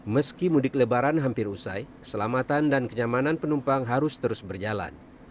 meski mudik lebaran hampir usai keselamatan dan kenyamanan penumpang harus terus berjalan